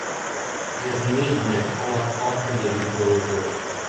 Ez négy meccs alatt a negyedik gólja volt.